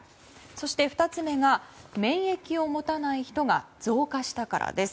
そして２つ目が免疫を持たない人が増加したからです。